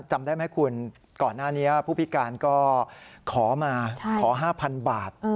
จำได้ไหมคุณก่อนหน้านี้ผู้พิการก็ขอมาขอ๕๐๐๐บาท